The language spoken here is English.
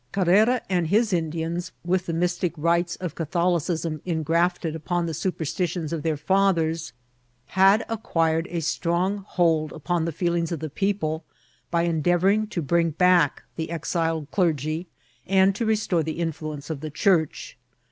Carrera and his Indians, with the mystic rites of Catholicism ingrafted upon the supersti tions of their fathers, had acquired a strong hold upon the feelings of the people by endeavouring to luring back the exiled clergy and to restore the influence of the church.